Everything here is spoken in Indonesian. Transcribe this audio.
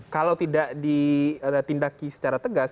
kalau tidak ditindaki secara tegas